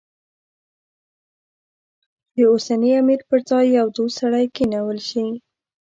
د اوسني امیر پر ځای یو دوست سړی کېنول شي.